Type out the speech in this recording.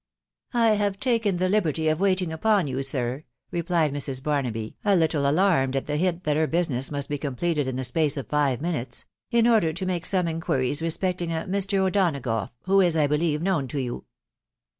" I have taken the liberty of waiting upon you, sir," replied Mrs. Barnaby, a little alarmed at the hint that her business must be completed in the space of five minutes, "in order to make some inquiries respecting a Mr. O'Donagough, who is, I believe, known to you